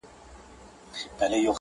نړوم غرونه د تمي، له اوږو د ملایکو,